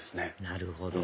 なるほど！